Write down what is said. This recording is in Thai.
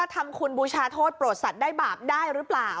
ทำคุณบูชาโทษโปรดสัตว์ได้บาปได้หรือเปล่า